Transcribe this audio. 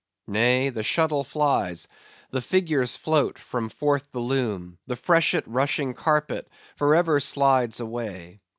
Nay—the shuttle flies—the figures float from forth the loom; the freshet rushing carpet for ever slides away.